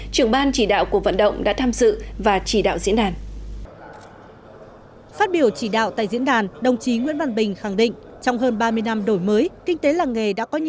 trưởng ban chỉ đạo cuộc vận động đã tham dự và chỉ đạo diễn đàn